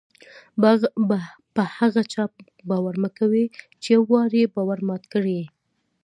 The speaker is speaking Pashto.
په هغه چا باور مه کوئ! چي یو وار ئې باور مات کړى يي.